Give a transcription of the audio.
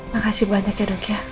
makasih banyak ya dok ya